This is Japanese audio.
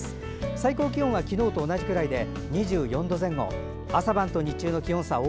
最高気温は昨日と同じくらいで２４度。